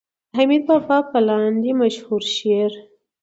د حميد بابا په لاندې مشهور شعر